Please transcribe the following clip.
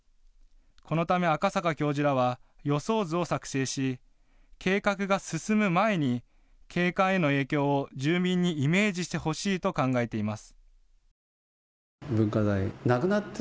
このため赤坂教授らは予想図を作成し、計画が進む前に景観への影響を住民にイメージしてほしいと考えています。